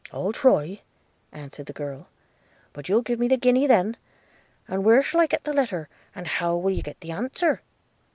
– 'I'll try,' answered the girl; 'but you'll give me the guinea then – and where shall I get the letter, and how will you get the answer?